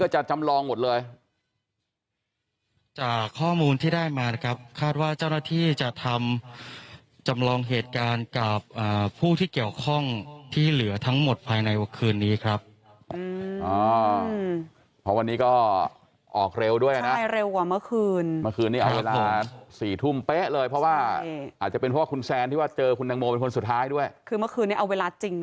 จะจำลองหมดเลยจากข้อมูลที่ได้มานะครับคาดว่าเจ้าหน้าที่จะทำจำลองเหตุการณ์กับผู้ที่เกี่ยวข้องที่เหลือทั้งหมดภายในคืนนี้ครับเพราะวันนี้ก็ออกเร็วด้วยนะใช่เร็วกว่าเมื่อคืนเมื่อคืนนี้เอาเวลามาสี่ทุ่มเป๊ะเลยเพราะว่าอาจจะเป็นเพราะว่าคุณแซนที่ว่าเจอคุณตังโมเป็นคนสุดท้ายด้วยคือเมื่อคืนนี้เอาเวลาจริง